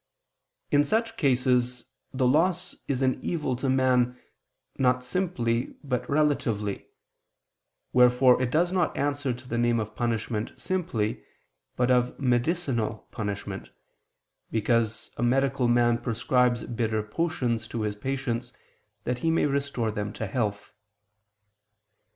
In such cases the loss is an evil to man, not simply but relatively; wherefore it does not answer to the name of punishment simply, but of medicinal punishment, because a medical man prescribes bitter potions to his patients, that he may restore them to health.